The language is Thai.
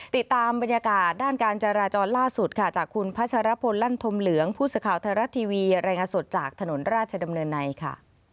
ติดตามบรรยากาศด้านการจราจรล่าสุดค่ะจากคุณพัชรพลลั่นธมเหลืองผู้สื่อข่าวไทยรัฐทีวีรายงานสดจากถนนราชดำเนินในค่ะ